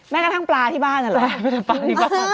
แมวกระทั่งปลาที่บ้านหรอ